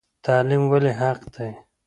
تعلیم ولې حق دی؟